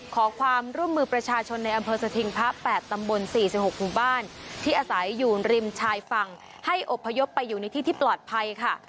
ขอความร่วมมือประชาชนในอำเภอสถิงพระ๘ตำบล๔๖หมู่บ้านที่อาศัยอยู่ริมชายฝั่งให้อบพยพไปอยู่ในที่ที่ปลอดภัยค่ะ